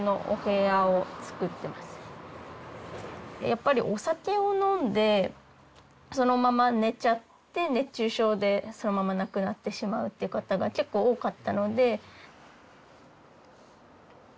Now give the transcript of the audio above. やっぱりお酒を飲んでそのまま寝ちゃって熱中症でそのまま亡くなってしまうという方が結構多かったので。